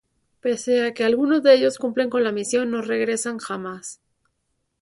Pese a que algunos de ellos cumplen con la misión, no regresan jamás.